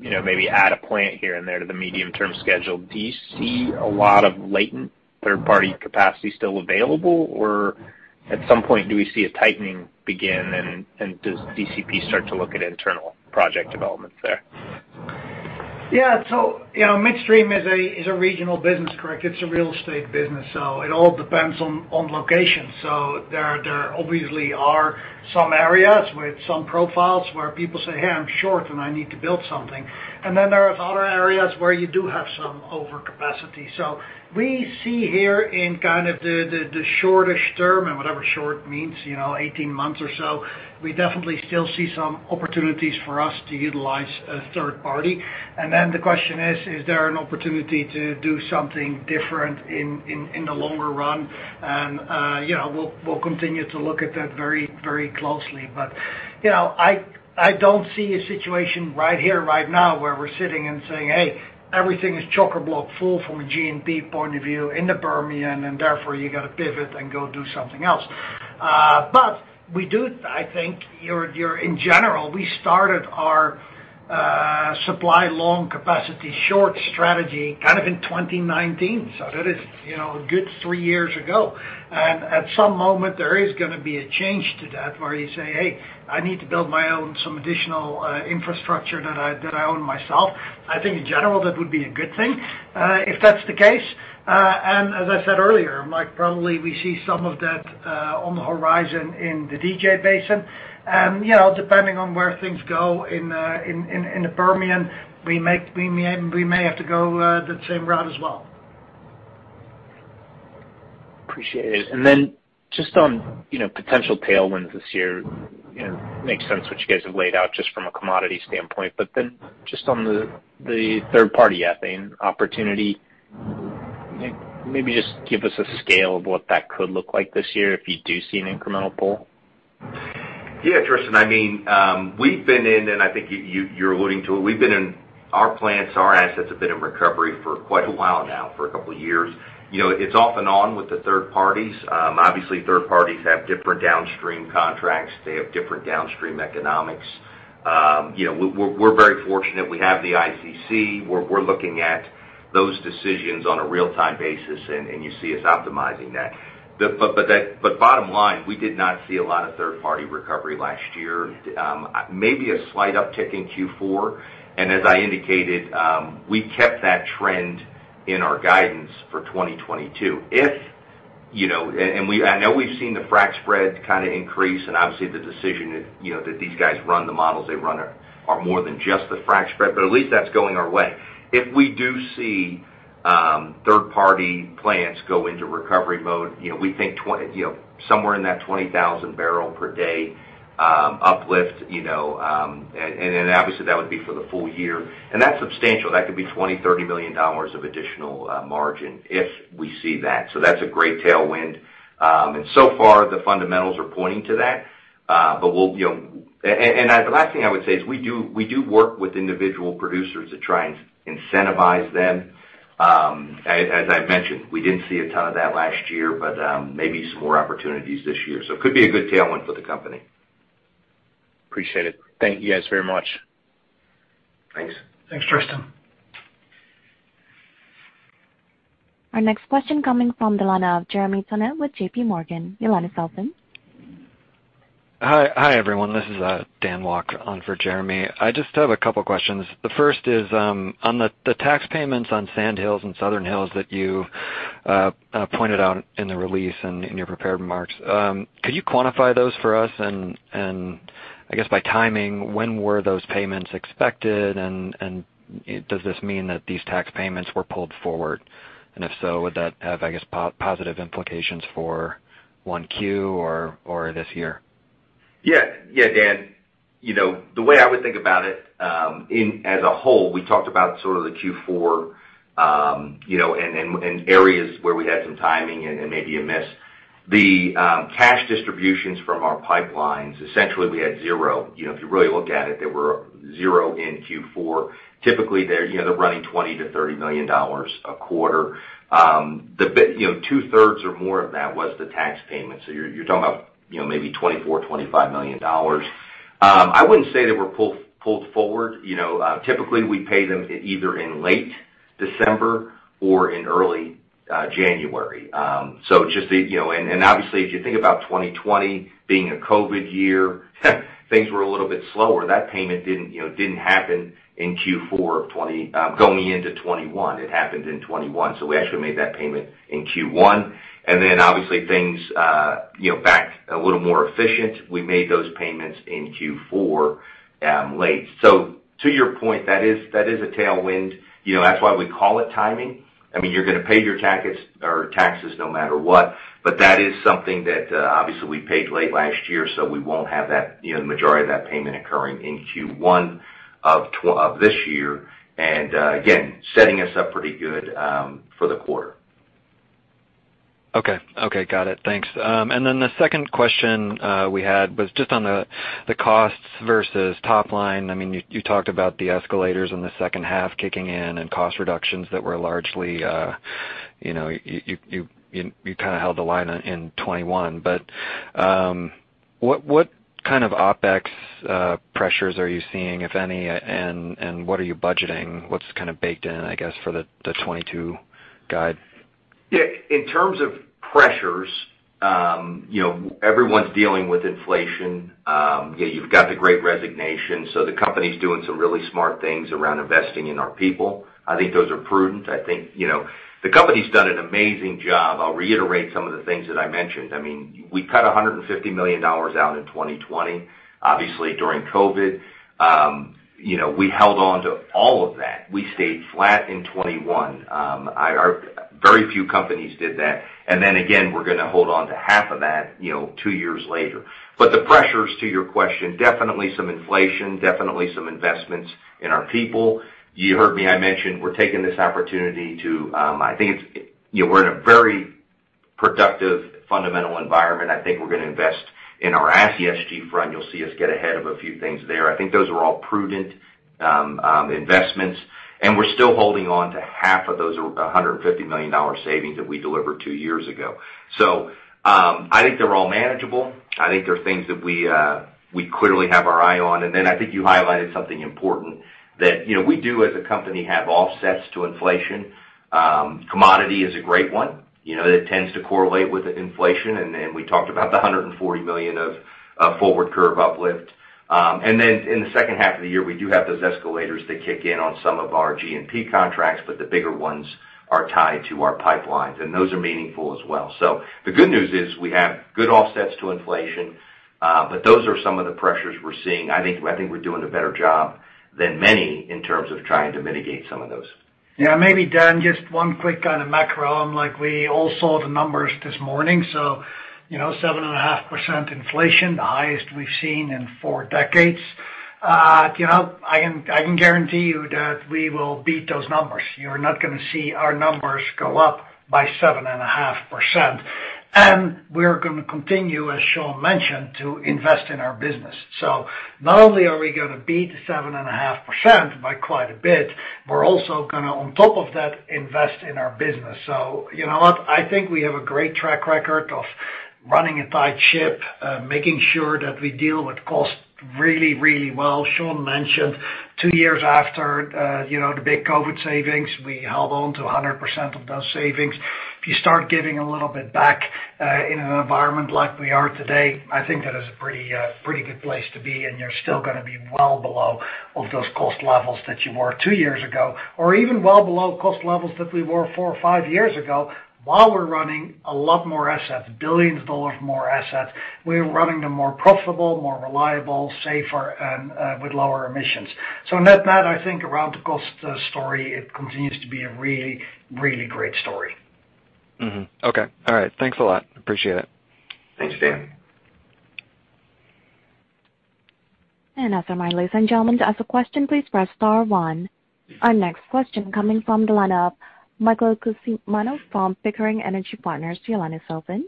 you know, maybe add a plant here and there to the medium-term schedule. Do you see a lot of latent third-party capacity still available, or at some point, do we see a tightening begin, and does DCP start to look at internal project developments there? Yeah. You know, midstream is a regional business, correct? It's a real estate business, so it all depends on location. There obviously are some areas with some profiles where people say, "Hey, I'm short, and I need to build something." Then there are other areas where you do have some overcapacity. We see here in kind of the shortish term, and whatever short means, you know, 18 months or so, we definitely still see some opportunities for us to utilize a third party. The question is there an opportunity to do something different in the longer run? You know, we'll continue to look at that very, very closely. You know, I don't see a situation right here, right now where we're sitting and saying, "Hey, everything is chock-a-block full from a G&P point of view in the Permian, and therefore, you gotta pivot and go do something else." I think you're in general, we started our supply long, capacity short strategy kind of in 2019, so that is, you know, a good three years ago. At some moment, there is gonna be a change to that where you say, "Hey, I need to build my own some additional infrastructure that I own myself." I think in general, that would be a good thing, if that's the case. As I said earlier, Mike, probably we see some of that on the horizon in the DJ Basin. You know, depending on where things go in the Permian, we may have to go that same route as well. Appreciate it. Then just on, you know, potential tailwinds this year, you know, makes sense what you guys have laid out just from a commodity standpoint. Then just on the third-party ethane opportunity, maybe just give us a scale of what that could look like this year if you do see an incremental pull. Yeah, Tristan. I mean, we've been in, and I think you're alluding to it, we've been in. Our plants, our assets have been in recovery for quite a while now, for a couple of years. You know, it's off and on with the third parties. Obviously, third parties have different downstream contracts. They have different downstream economics. You know, we're very fortunate we have the ICC, where we're looking at those decisions on a real-time basis, and you see us optimizing that. But bottom line, we did not see a lot of third-party recovery last year. Maybe a slight uptick in Q4. As I indicated, we kept that trend in our guidance for 2022. You know, I know we've seen the frac spread kind of increase and obviously the decision that these guys run the models they run are more than just the frac spread, but at least that's going our way. If we do see third-party plants go into recovery mode, you know, we think somewhere in that 20,000 barrel per day uplift, and obviously that would be for the full year. That's substantial. That could be $20 million-$30 million of additional margin if we see that. That's a great tailwind. So far, the fundamentals are pointing to that. We'll you know. The last thing I would say is we do work with individual producers to try and incentivize them. As I mentioned, we didn't see a ton of that last year, but maybe some more opportunities this year. It could be a good tailwind for the company. Appreciate it. Thank you guys very much. Thanks. Thanks, Tristan. Our next question coming from the line of Jeremy Tonet with JPMorgan. Your line's open. Hi. Hi, everyone. This is Dan Walker on for Jeremy Tonet. I just have a couple questions. The first is on the tax payments on Sand Hills and Southern Hills that you pointed out in the release and in your prepared remarks. Could you quantify those for us? I guess by timing, when were those payments expected? Does this mean that these tax payments were pulled forward? If so, would that have positive implications for 1Q or this year? Yeah. Yeah, Dan. You know, the way I would think about it as a whole, we talked about sort of the Q4, you know, and areas where we had some timing and maybe a miss. The cash distributions from our pipelines, essentially we had zero. You know, if you really look at it, there were zero in Q4. Typically, they're running $20 miliion-$30 million a quarter. You know, two-thirds or more of that was the tax payment. So you're talking about maybe $24 million-$25 million. I wouldn't say they were pulled forward. You know, typically, we pay them either in late December or in early January. Just, you know, obviously, if you think about 2020 being a COVID year, things were a little bit slower. That payment didn't, you know, happen in Q4 of 2020, going into 2021. It happened in 2021, so we actually made that payment in Q1. Obviously, things, you know, back a little more efficient. We made those payments in Q4 late. To your point, that is a tailwind. You know, that's why we call it timing. I mean, you're gonna pay your tax or taxes no matter what. That is something that obviously we paid late last year, so we won't have that, you know, the majority of that payment occurring in Q1 of this year. Again, setting us up pretty good for the quarter. Okay. Got it. Thanks. The second question we had was just on the costs versus top line. I mean, you talked about the escalators in the second half kicking in and cost reductions that were largely. You kinda held the line in 2021. What kind of OpEx pressures are you seeing, if any, and what are you budgeting? What's kind of baked in, I guess, for the 2022 guide? Yeah. In terms of pressures, you know, everyone's dealing with inflation. You've got the Great Resignation, so the company's doing some really smart things around investing in our people. I think those are prudent. I think, you know, the company's done an amazing job. I'll reiterate some of the things that I mentioned. I mean, we cut $150 million out in 2020, obviously during COVID. You know, we held on to all of that. We stayed flat in 2021. Very few companies did that. Again, we're gonna hold on to half of that, you know, two years later. The pressures to your question, definitely some inflation, definitely some investments in our people. You heard me, I mentioned we're taking this opportunity to. I think it's, you know, we're in a very productive, fundamental environment. I think we're gonna invest in our ESG front. You'll see us get ahead of a few things there. I think those are all prudent investments. We're still holding on to half of those $150 million savings that we delivered two years ago. I think they're all manageable. I think they're things that we clearly have our eye on. I think you highlighted something important that, you know, we do as a company have offsets to inflation. Commodity is a great one. You know, it tends to correlate with inflation, and then we talked about the $140 million of forward curve uplift. In the second half of the year, we do have those escalators that kick in on some of our G&P contracts, but the bigger ones are tied to our pipelines, and those are meaningful as well. The good news is we have good offsets to inflation, but those are some of the pressures we're seeing. I think we're doing a better job than many in terms of trying to mitigate some of those. Yeah, maybe Dan, just one quick kind of macro. Like, we all saw the numbers this morning, so, you know, 7.5% inflation, the highest we've seen in four decades. Dan, I can guarantee you that we will beat those numbers. You're not gonna see our numbers go up by 7.5%. We're gonna continue, as Sean mentioned, to invest in our business. Not only are we gonna beat 7.5% by quite a bit, we're also gonna, on top of that, invest in our business. You know what? I think we have a great track record of running a tight ship, making sure that we deal with cost really, really well. Sean mentioned two years after the big COVID savings, we held on to 100% of those savings. If you start giving a little bit back in an environment like we are today, I think that is a pretty good place to be, and you're still gonna be well below those cost levels that you were two years ago, or even well below cost levels that we were four or five years ago, while we're running a lot more assets, billions of dollars more assets. We're running them more profitable, more reliable, safer, and with lower emissions. Net-net, I think around the cost story, it continues to be a really, really great story. Mm-hmm. Okay. All right. Thanks a lot. Appreciate it. Thanks, Dan. As a reminder, ladies and gentlemen, to ask a question, please press star one. Our next question coming from the line of Michael Cusimano from Pickering Energy Partners. Your line is open.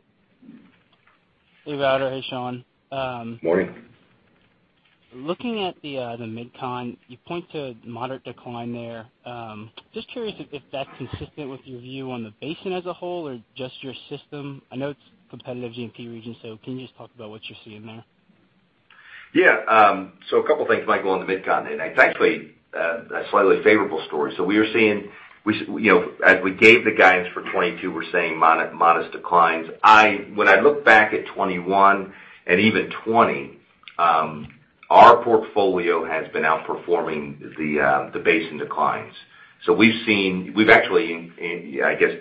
Hey, Wouter. Hey, Sean. Morning. Looking at the MidCon, you point to moderate decline there. Just curious if that's consistent with your view on the basin as a whole or just your system? I know it's competitive G&P region, so can you just talk about what you're seeing there? Yeah. A couple things, Michael, on the Midcontinent. It's actually a slightly favorable story. We are seeing. You know, as we gave the guidance for 2022, we're seeing modest declines. When I look back at 2021 and even 2020, our portfolio has been outperforming the basin declines. We've actually I guess,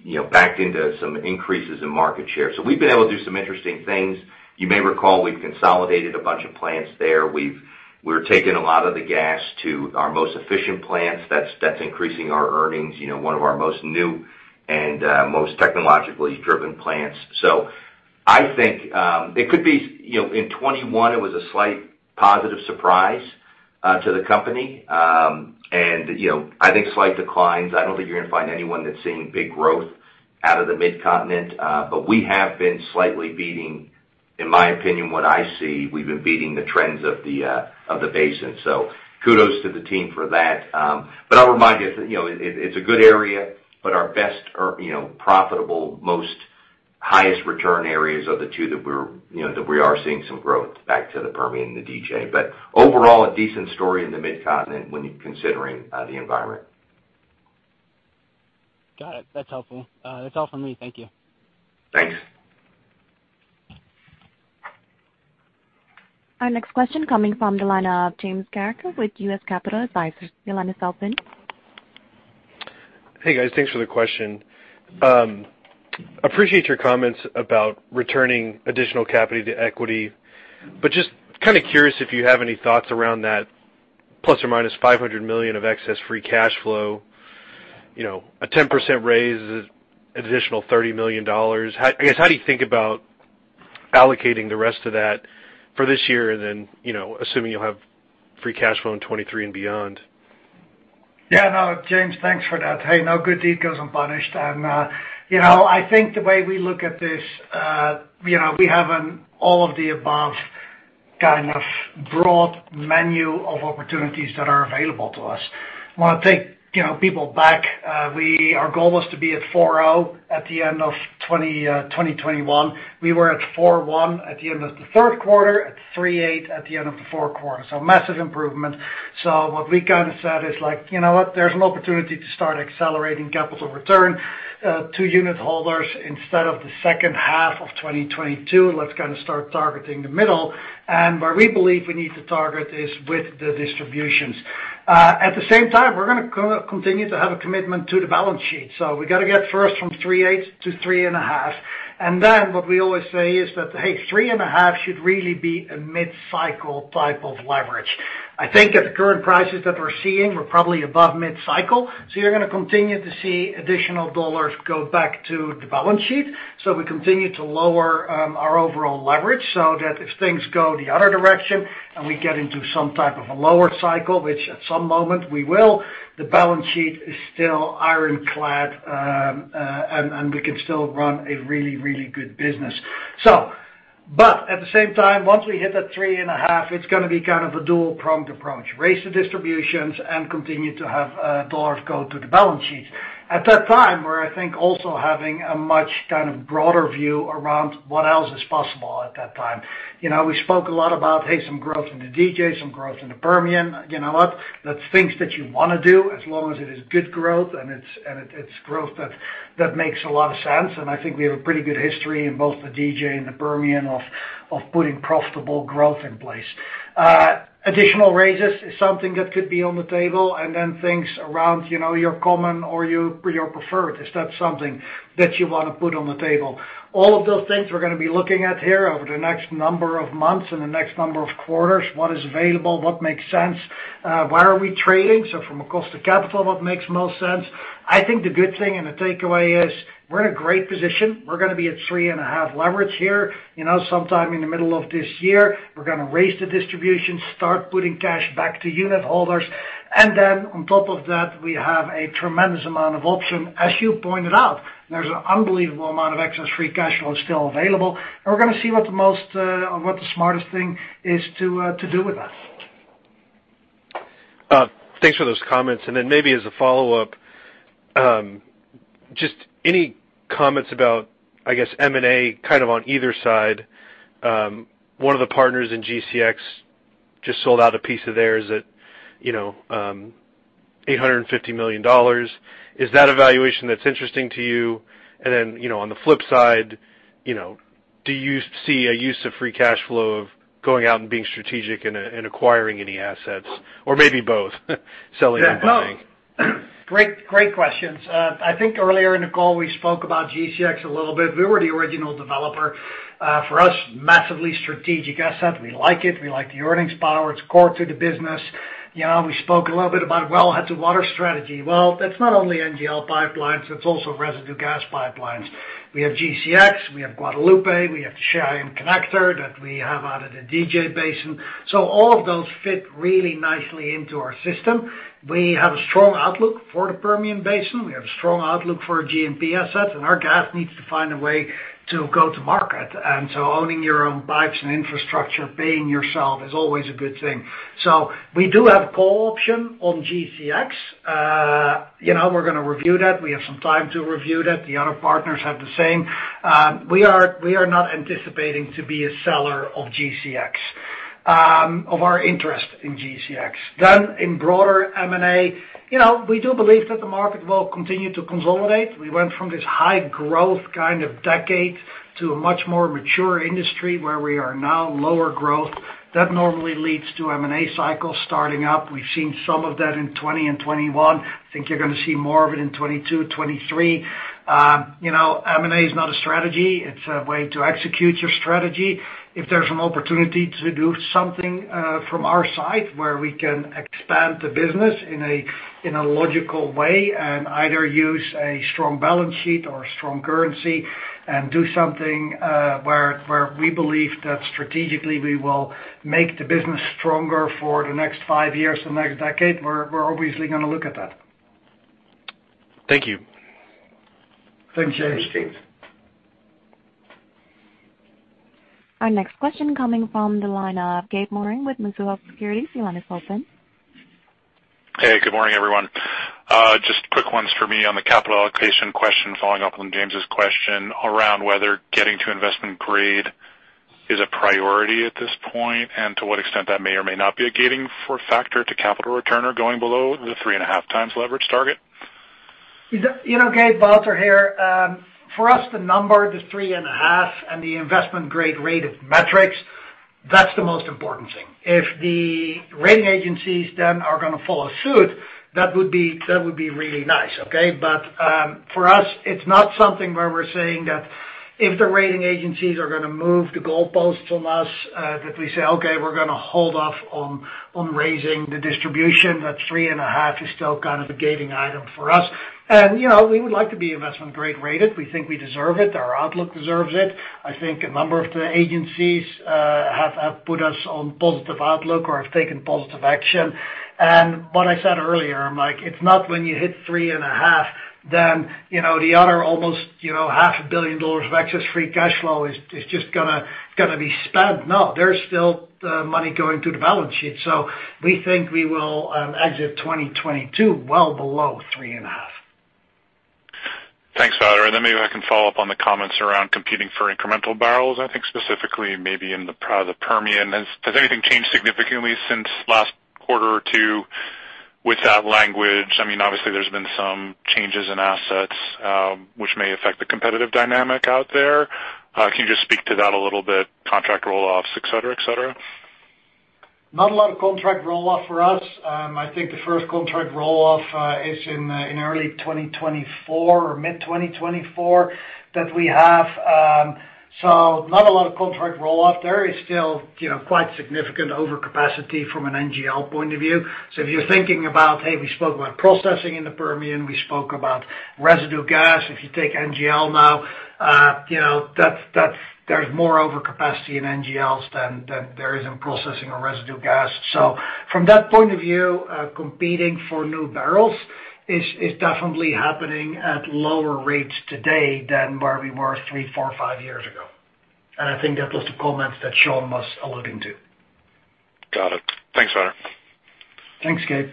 you know, backed into some increases in market share. We've been able to do some interesting things. You may recall we've consolidated a bunch of plants there. We're taking a lot of the gas to our most efficient plants. That's increasing our earnings, you know, one of our most new and most technologically driven plants. I think it could be, you know, in 2021 it was a slight positive surprise to the company. You know, I think slight declines. I don't think you're gonna find anyone that's seeing big growth out of the Mid-Continent, but we have been slightly beating. In my opinion, what I see, we've been beating the trends of the basin. Kudos to the team for that. But I'll remind you know, it's a good area, but our best or, you know, profitable, most highest return areas are the two that we're, you know, that we are seeing some growth back to the Permian and the DJ. Overall, a decent story in the Mid-Continent when you're considering the environment. Got it. That's helpful. That's all for me. Thank you. Thanks. Our next question coming from the line of James Carreker with U.S. Capital Advisors. Your line is open. Hey, guys. Thanks for the question. Appreciate your comments about returning additional capital to equity, but just kinda curious if you have any thoughts around that ±$500 million of excess free cash flow. You know, a 10% raise is an additional $30 million. How, I guess, do you think about allocating the rest of that for this year and then, you know, assuming you'll have free cash flow in 2023 and beyond? Yeah, no. James, thanks for that. Hey, no good deed goes unpunished. I think the way we look at this, you know, we have an all of the above kind of broad menu of opportunities that are available to us. I wanna take, you know, people back. Our goal was to be at 4.0 at the end of 2021. We were at 4.1 at the end of the third quarter, at 3.8 at the end of the fourth quarter. Massive improvement. What we kinda said is like, you know what? There's an opportunity to start accelerating capital return to unit holders instead of the second half of 2022. Let's kinda start targeting the middle. Where we believe we need to target is with the distributions. At the same time, we're gonna continue to have a commitment to the balance sheet. We gotta get first from 3.8-3.5, and then what we always say is that, hey, 3.5 should really be a mid-cycle type of leverage. I think at the current prices that we're seeing, we're probably above mid-cycle, so you're gonna continue to see additional dollars go back to the balance sheet. We continue to lower our overall leverage so that if things go the other direction and we get into some type of a lower cycle, which at some moment we will, the balance sheet is still ironclad, and we can still run a really good business. At the same time, once we hit that 3.5, it's gonna be kind of a dual pronged approach. Raise the distributions and continue to have dollars go to the balance sheet. At that time, we're, I think, also having a much kind of broader view around what else is possible at that time. You know, we spoke a lot about, hey, some growth in the DJ, some growth in the Permian. You know what? That's things that you wanna do as long as it is good growth and it's growth that makes a lot of sense. I think we have a pretty good history in both the DJ and the Permian of putting profitable growth in place. Additional raises is something that could be on the table, and then things around, you know, your common or your, or your preferred, is that something that you wanna put on the table? All of those things we're gonna be looking at here over the next number of months and the next number of quarters. What is available? What makes sense? Where are we trading? So from a cost of capital, what makes most sense? I think the good thing and the takeaway is we're in a great position. We're gonna be at 3.5 leverage here. You know, sometime in the middle of this year, we're gonna raise the distribution, start putting cash back to unit holders. On top of that, we have a tremendous amount of option. As you pointed out, there's an unbelievable amount of excess free cash flow still available, and we're gonna see what the smartest thing is to do with that. Thanks for those comments. Maybe as a follow-up, just any comments about, I guess, M&A kind of on either side. One of the partners in GCX. Just sold out a piece of theirs at, you know, $850 million. Is that a valuation that's interesting to you? You know, on the flip side, you know, do you see a use of free cash flow of going out and being strategic and acquiring any assets? Or maybe both, selling and buying. Great, great questions. I think earlier in the call, we spoke about GCX a little bit. We were the original developer for us, massively strategic asset. We like it. We like the earnings power. It's core to the business. You know, we spoke a little bit about wellhead to water strategy. Well, that's not only NGL pipelines, it's also residue gas pipelines. We have GCX, we have Guadalupe, we have the Cheyenne Connector that we have out of the DJ Basin. All of those fit really nicely into our system. We have a strong outlook for the Permian Basin. We have a strong outlook for our G&P assets, and our gas needs to find a way to go to market. Owning your own pipes and infrastructure, paying yourself is always a good thing. We do have a call option on GCX. You know, we're gonna review that. We have some time to review that. The other partners have the same. We are not anticipating to be a seller of GCX, of our interest in GCX. In broader M&A, you know, we do believe that the market will continue to consolidate. We went from this high growth kind of decade to a much more mature industry where we are now lower growth. That normally leads to M&A cycles starting up. We've seen some of that in 2020 and 2021. I think you're gonna see more of it in 2022-2023. You know, M&A is not a strategy, it's a way to execute your strategy. If there's an opportunity to do something from our side where we can expand the business in a logical way and either use a strong balance sheet or a strong currency and do something where we believe that strategically we will make the business stronger for the next five years, the next decade, we're obviously gonna look at that. Thank you. Thanks, James. Thanks. Our next question coming from the line of Gabe Moreen with Mizuho Securities. Your line is open. Hey, good morning, everyone. Just quick ones for me on the capital allocation question, following up on James's question around whether getting to investment grade is a priority at this point, and to what extent that may or may not be a gating factor to capital returns or going below the 3.5x leverage target. You know, Gabe, Wouter here. For us, the number, the 3.5 and the investment grade credit metrics, that's the most important thing. If the rating agencies then are gonna follow suit, that would be really nice, okay? For us, it's not something where we're saying that if the rating agencies are gonna move the goalposts from us, that we say, "Okay, we're gonna hold off on raising the distribution." That 3.5 is still kind of a gating item for us. You know, we would like to be investment grade rated. We think we deserve it, our outlook deserves it. I think a number of the agencies have put us on positive outlook or have taken positive action. What I said earlier, I'm like, it's not when you hit 3.5, then, you know, the other almost, you know, $500 million of excess free cash flow is just gonna be spent. No, there's still money going to the balance sheet. We think we will exit 2022 well below 3.5. Thanks, Wouter. Maybe I can follow up on the comments around competing for incremental barrels, I think specifically maybe in the Permian. Has anything changed significantly since last quarter or two with that language? I mean, obviously there's been some changes in assets, which may affect the competitive dynamic out there. Can you just speak to that a little bit? Contract roll-offs, et cetera, et cetera. Not a lot of contract roll-off for us. I think the first contract roll-off is in early 2024 or mid 2024 that we have. So not a lot of contract roll-off. There is still, you know, quite significant overcapacity from an NGL point of view. So if you're thinking about, hey, we spoke about processing in the Permian, we spoke about residue gas. If you take NGL now, you know, that's there's more overcapacity in NGLs than there is in processing a residue gas. So from that point of view, competing for new barrels is definitely happening at lower rates today than where we were three, four, five years ago. I think that was the comments that Sean was alluding to. Got it. Thanks, Wouter. Thanks, Gabe.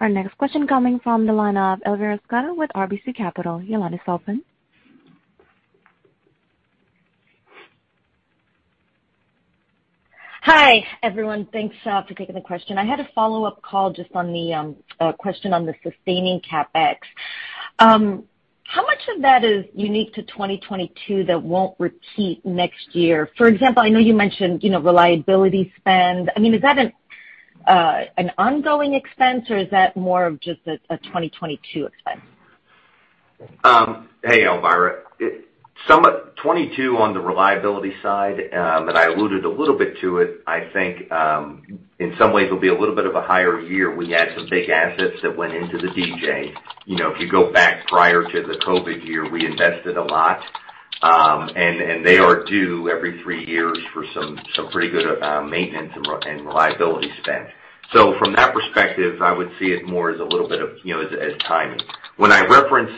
Our next question coming from the line of Elvira Scotto with RBC Capital. Your line is open. Hi, everyone. Thanks for taking the question. I had a follow-up call just on the question on the sustaining CapEx. How much of that is unique to 2022 that won't repeat next year? For example, I know you mentioned, you know, reliability spend. I mean, is that an ongoing expense or is that more of just a 2022 expense? Hey, Elvira. It's somewhat 2022 on the reliability side that I alluded a little bit to it, I think, in some ways will be a little bit of a higher year. We had some big assets that went into the DJ. You know, if you go back prior to the COVID year, we invested a lot, and they are due every three years for some pretty good maintenance and reliability spend. So from that perspective, I would see it more as a little bit of, you know, as timing. When I reference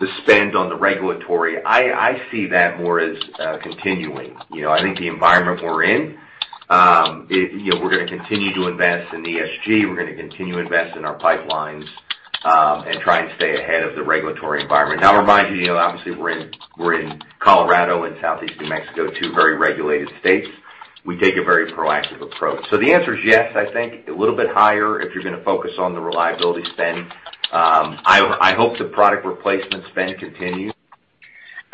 the spend on the regulatory, I see that more as continuing. You know, I think the environment we're in. You know, we're gonna continue to invest in ESG, we're gonna continue to invest in our pipelines, and try and stay ahead of the regulatory environment. I'll remind you know, obviously we're in Colorado and Southeast New Mexico, two very regulated states. We take a very proactive approach. The answer is yes, I think. A little bit higher if you're gonna focus on the reliability spend. I hope the product replacement spend continues.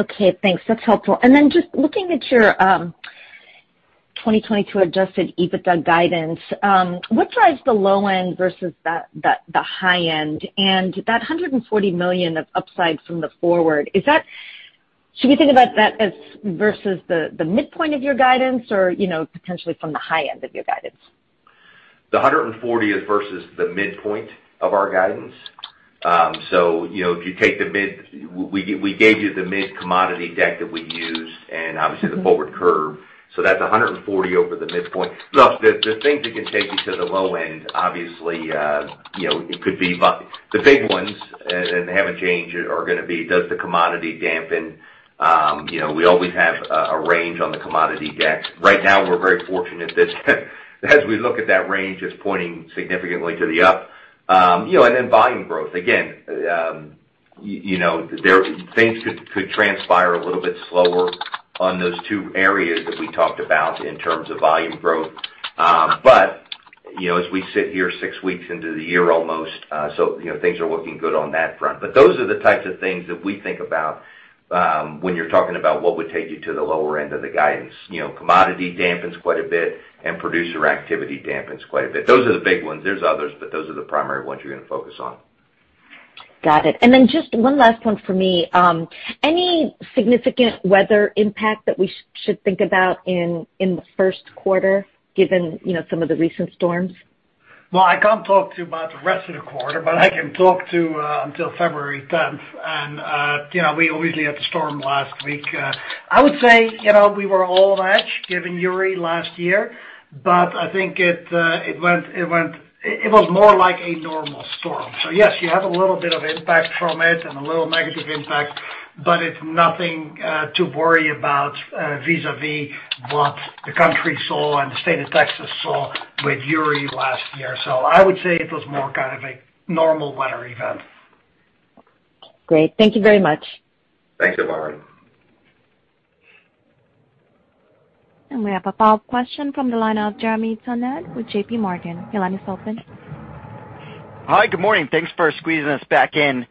Okay, thanks. That's helpful. Just looking at your 2022 adjusted EBITDA guidance, what drives the low end versus the high end? That $140 million of upside from the forward, is that versus the midpoint of your guidance or, you know, potentially from the high end of your guidance? $140 is versus the midpoint of our guidance. You know, if you take the mid commodity deck we gave you that we used and obviously the forward curve. That's $140 over the midpoint. Look, the things that can take you to the low end, obviously, you know, it could be the big ones and haven't changed are gonna be does the commodity dampen? You know, we always have a range on the commodity deck. Right now, we're very fortunate that as we look at that range, it's pointing significantly to the upside. You know, and then volume growth. Again, you know, things could transpire a little bit slower on those two areas that we talked about in terms of volume growth. You know, as we sit here six weeks into the year almost, you know, things are looking good on that front. Those are the types of things that we think about when you're talking about what would take you to the lower end of the guidance. You know, commodity dampens quite a bit, and producer activity dampens quite a bit. Those are the big ones. There's others, but those are the primary ones you're gonna focus on. Got it. Just one last one for me. Any significant weather impact that we should think about in the first quarter, given you know some of the recent storms? Well, I can't talk to you about the rest of the quarter, but I can talk about until February tenth. You know, we obviously had the storm last week. I would say, you know, we were all on edge given Uri last year, but I think it went. It was more like a normal storm. Yes, you have a little bit of impact from it and a little negative impact, but it's nothing to worry about vis-à-vis what the country saw and the state of Texas saw with Uri last year. I would say it was more kind of a normal weather event. Great. Thank you very much. Thanks, Elvira. We have a follow-up question from the line of Jeremy Tonet with JPMorgan. Your line is open. Hi, good morning. Thanks for squeezing us back in.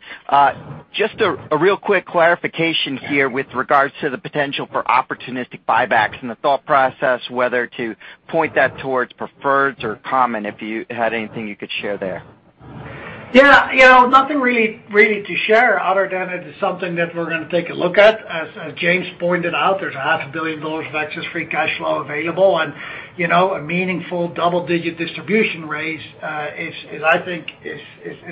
Just a real quick clarification here with regards to the potential for opportunistic buybacks and the thought process whether to point that towards preferreds or common, if you had anything you could share there. Yeah. You know, nothing really to share other than it is something that we're gonna take a look at. As James pointed out, there's a $500 million of excess free cash flow available. You know, a meaningful double-digit distribution raise is, I think,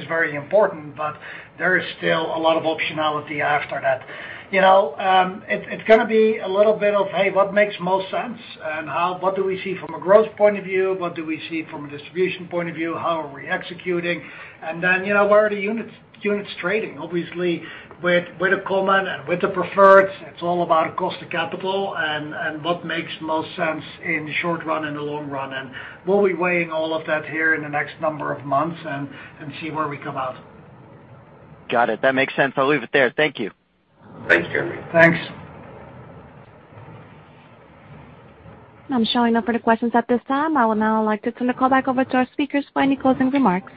very important, but there is still a lot of optionality after that. You know, it's gonna be a little bit of, hey, what makes most sense? What do we see from a growth point of view? What do we see from a distribution point of view? How are we executing? Then, you know, where are the units trading? Obviously, with a common and with the preferreds, it's all about cost of capital and what makes the most sense in the short run and the long run. We'll be weighing all of that here in the next number of months and see where we come out. Got it. That makes sense. I'll leave it there. Thank you. Thanks, Jeremy. Thanks. I'm showing no further questions at this time. I would now like to turn the call back over to our speakers for any closing remarks.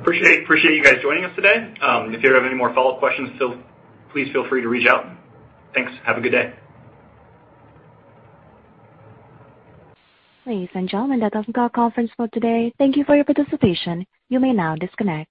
Appreciate you guys joining us today. If you have any more follow-up questions, please feel free to reach out. Thanks. Have a good day. Ladies and gentlemen, that does conclude our conference call today. Thank you for your participation. You may now disconnect.